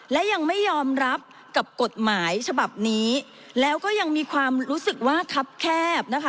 และยังไม่ยอมรับกับกฎหมายฉบับนี้แล้วก็ยังมีความรู้สึกว่าทับแคบนะคะ